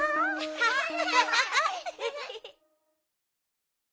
アハハハ！